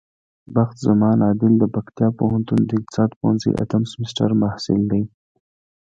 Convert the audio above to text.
بخت زمان عادل د پکتيا پوهنتون د اقتصاد پوهنځی اتم سمستر محصل دی.